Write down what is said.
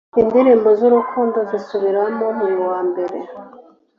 Indirimbo z'urukundo zisubiramo buri wambere